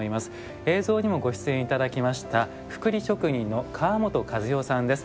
映像にもご出演頂きましたくくり職人の川本和代さんです。